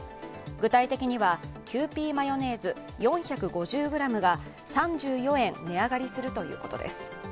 具体的にはキユーピーマヨネーズ４５０ｇが３４円値上がりするということです。